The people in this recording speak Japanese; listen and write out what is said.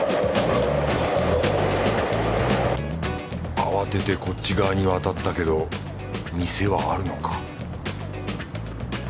慌ててこっち側に渡ったけど店はあるのか？